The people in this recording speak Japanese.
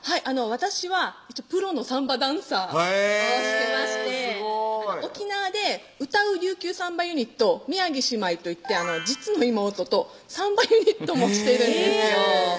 私はプロのサンバダンサーをしてまして沖縄で歌う琉球サンバユニット宮城姉妹といって実の妹とサンバユニットもしてるんですよ